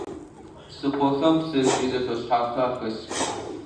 Псыхъохэм пцэжъые зэфэшъхьафхэр ахэсых.